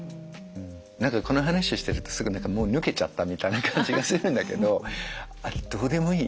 何かこの話をしてるとすごい何かもう抜けちゃったみたいな感じがするんだけどどうでもいい。